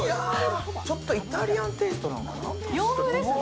ちょっと、イタリアンテイストなのかな。